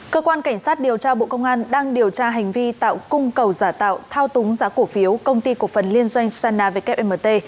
cơ quan cảnh sát điều tra bộ công an đang điều tra hành vi tạo cung cầu giả tạo thao túng giá cổ phiếu công ty cổ phần liên doanh sana wmt